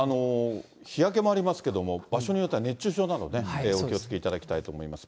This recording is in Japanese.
日焼けもありますけれども、場所によっては熱中症などね、お気をつけいただきたいと思います。